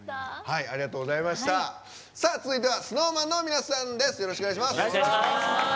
続いてはＳｎｏｗＭａｎの皆さんです。